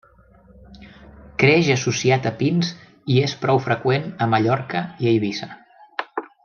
Creix associat a pins i és prou freqüent a Mallorca i Eivissa.